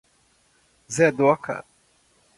zé Doca